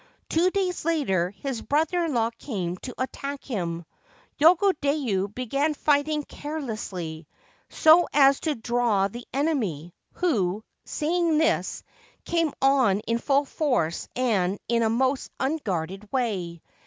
Two days later his brother in law came to attack him. Yogodayu began fighting carelessly, so as to draw th< enemy, who, seeing this, came on in full force and ir a most unguarded way.